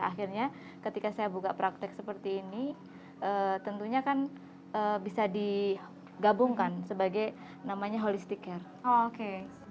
akhirnya ketika saya buka praktek seperti ini tentunya kan bisa digabungkan sebagai namanya holistic care